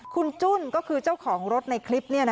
คุณจุ้นก็คือเจ้าของรถในคลิป